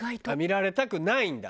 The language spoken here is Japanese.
見られたくないんだ。